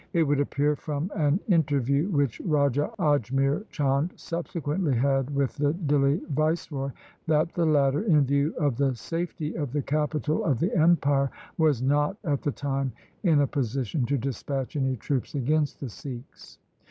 It would appear from an interview which Raja Ajmer Chand subsequently had with the Dihli viceroy, that the latter, in view of the safety of the capital of the empire, was not at the time in a position to dispatch any troops against the Sikhs.